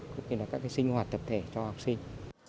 cũng như là các sinh hoạt tập thể cho học sinh